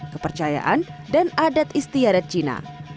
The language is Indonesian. kepercayaan dan adat istilahnya